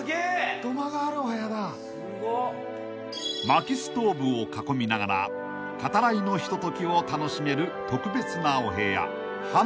［まきストーブを囲みながら語らいのひとときを楽しめる特別なお部屋］